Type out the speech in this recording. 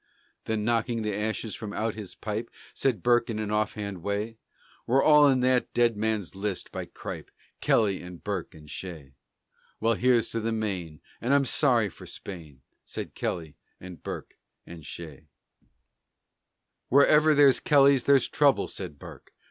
Then, knocking the ashes from out his pipe, Said Burke in an offhand way: "We're all in that dead man's list by Cripe! Kelly and Burke and Shea." "Well, here's to the Maine, and I'm sorry for Spain," Said Kelly and Burke and Shea. "Wherever there's Kellys there's trouble," said Burke.